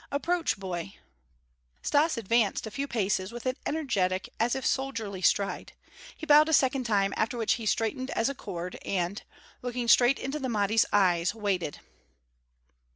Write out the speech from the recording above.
"Approach, boy." Stas advanced a few paces with an energetic, as if soldierly, stride; he bowed a second time after which he straightened as a chord and, looking straight into the Mahdi's eyes, waited.